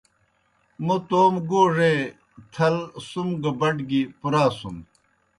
موں توموْ گوڙے تھل سُم گہ بٹ گیْ پُراسُن۔